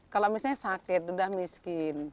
kalau misalnya sakit sudah miskin